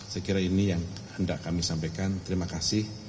saya kira ini yang hendak kami sampaikan terima kasih